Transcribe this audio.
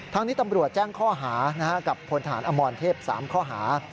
นี้ตำรวจแจ้งข้อหากับพลฐานอมรเทพ๓ข้อหา